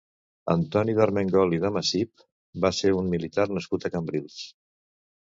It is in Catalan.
Antoni d'Armengol i de Macip va ser un militar nascut a Cambrils.